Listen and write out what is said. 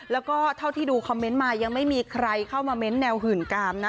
แล้วก็เท่าที่ดูคอมเมนต์มายังไม่มีใครเข้ามาเม้นต์แนวหื่นกามนะ